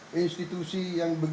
dan institusi yang berbeda